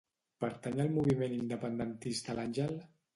Pertany al moviment independentista l'Angel?